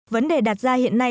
vấn đề đặt ra hiện nay